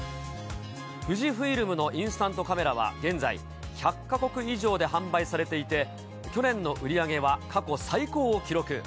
富士フイルムのインスタントカメラは現在、１００か国以上で販売されていて、去年の売り上げは過去最高を記録。